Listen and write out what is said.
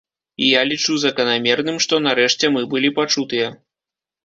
І я лічу заканамерным, што нарэшце мы былі пачутыя.